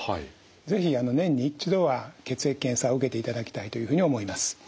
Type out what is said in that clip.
是非年に一度は血液検査を受けていただきたいというふうに思います。